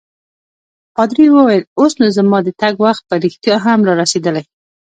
پادري وویل: اوس نو زما د تګ وخت په رښتیا هم رارسیدلی.